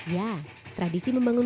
ya tradisi membangunkan